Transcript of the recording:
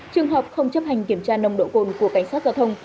trường hợp không chấp hành kiểm tra nồng độ cồn của cảnh sát giao thông